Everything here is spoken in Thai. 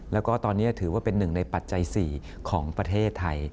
แล้วก็ตอนนี้ถือว่าเป็นหนึ่งในปัจจัย๔ของประเทศไทย